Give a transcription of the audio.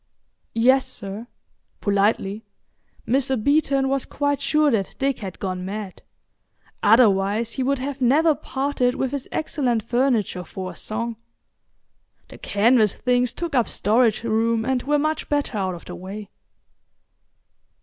"Yes, sir," politely. Mr. Beeton was quite sure that Dick had gone mad, otherwise he would have never parted with his excellent furniture for a song. The canvas things took up storage room and were much better out of the way.